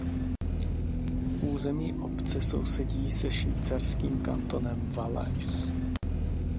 Území obce sousedí se švýcarským kantonem Valais.